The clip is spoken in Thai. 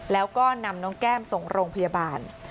แล้วก็นำน้องแก้มส่งโรงพยาบาล